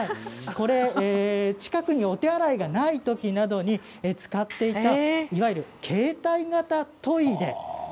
これは近くにお手洗いがない人などが使っていたいわゆる携帯型のトイレです。